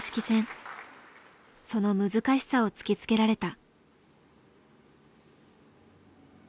その難しさを突きつけられた。